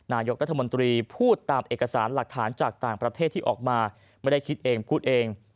นายกรัฐมนตรีพูดตามเอกสารหลักฐานจากต่างประเทศที่ออกมาไม่ได้คิดเองพูดเอง